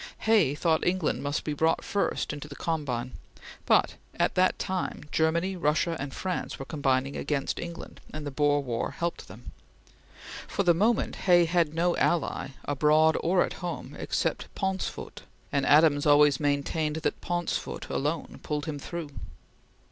Hay thought England must be brought first into the combine; but at that time Germany, Russia, and France were all combining against England, and the Boer War helped them. For the moment Hay had no ally, abroad or at home, except Pauncefote, and Adams always maintained that Pauncefote alone pulled him through.